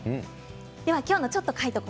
では今日の「ちょっと書いとこ！」